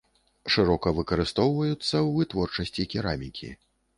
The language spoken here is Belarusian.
Шырока выкарыстоўваюцца ў вытворчасці керамікі.